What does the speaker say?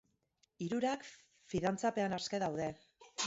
Hirurak fidantzapean aske daude.